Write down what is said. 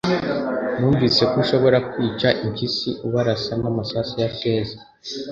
Numvise ko ushobora kwica impyisi ubarasa n'amasasu ya feza